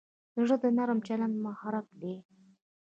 زړه د نرم چلند محرک دی.